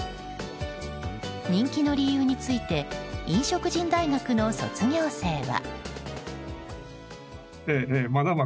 人気の理由について飲食人大学の卒業生は。